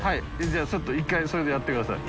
じゃあちょっと１回それでやってください。